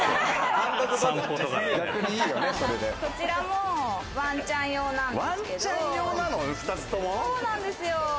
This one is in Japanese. こちらもワンちゃん用なんですけど。